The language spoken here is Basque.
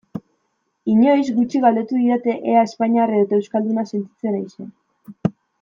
Inoiz gutxi galdetu didate ea espainiar edota euskalduna sentitzen naizen.